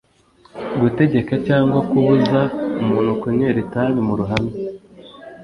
Gutegeka cyangwa kubuza umuntu kunywera itabi muruhame